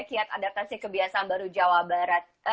kiat adaptasi kebiasaan baru jawa barat